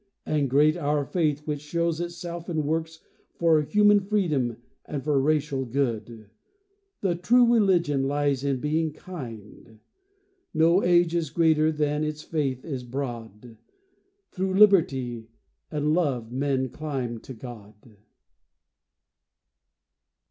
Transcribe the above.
And great our faith, which shows itself in works For human freedom and for racial good. The true religion lies in being kind. No age is greater than its faith is broad. Through liberty and love men climb to God.